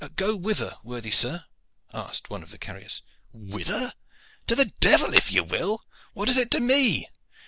"Go whither, worthy sir?" asked one of the carriers. "Whither? To the devil if ye will. What is it to me?